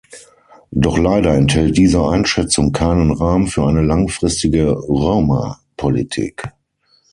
Doch leider enthält diese Einschätzung keinen Rahmen für eine langfristige Roma-Politik.